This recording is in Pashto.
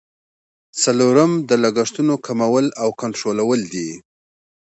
څلورم د لګښتونو کمول او کنټرولول دي.